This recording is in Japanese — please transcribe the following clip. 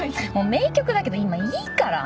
名曲だけど今いいから！